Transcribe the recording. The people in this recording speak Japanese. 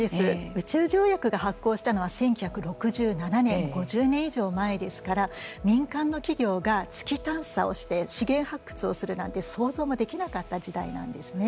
宇宙条約が発効したのは１９６７年５０年以上前ですから民間の企業が月探査をして資源発掘をするなんて想像もできなかった時代なんですね。